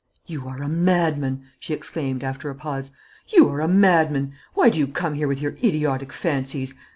"You are a madman!" she exclaimed, after a pause; "you are a madman! Why do you come here with your idiotic fancies?